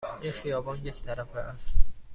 این خیابان یک طرفه است.